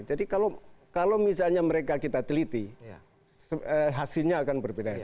jadi kalau misalnya mereka kita teliti hasilnya akan berbeda